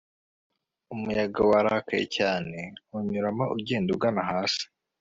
Umuyaga warakaye cyane unyuramo ugenda ugana hasi